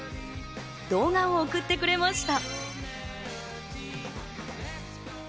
動画を送ってくれました。